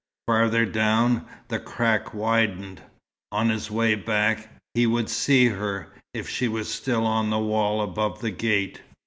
Farther down, the crack widened. On his way back, he would see her, if she were still on the wall above the gate.